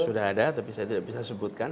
sudah ada tapi saya tidak bisa sebutkan